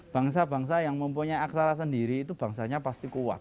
bangsa bangsa yang mempunyai aksara sendiri itu bangsanya pasti kuat